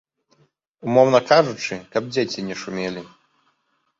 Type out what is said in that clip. Умоўна кажучы, каб дзеці не шумелі.